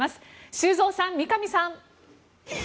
修造さん、三上さん！